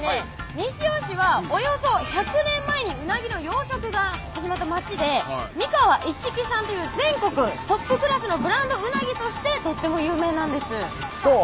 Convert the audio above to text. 西尾市はおよそ１００年前に鰻の養殖が始まった町で三河一色産という全国トップクラスのブランド鰻としてとっても有名なんですどう？